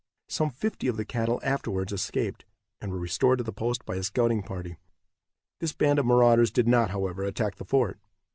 Some fifty of the cattle afterwards escaped, and were restored to the post by a scouting party. This band of marauders did not, however, attack the fort.